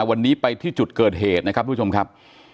วันนี้ไปที่จุดเกิดเหตุนะครับทุกผู้ชมครับ